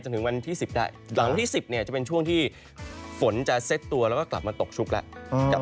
หลังวันที่๑๐เนี่ยจะเป็นช่วงที่ฝนจะเซ็ตตัวแล้วก็กลับมาตกชุกแล้ว